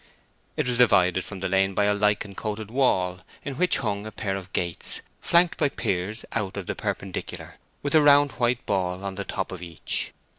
It was divided from the lane by a lichen coated wall, in which hung a pair of gates, flanked by piers out of the perpendicular, with a round white ball on the top of each.